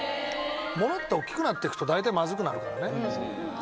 ものって大っきくなってくと大体まずくなるからね。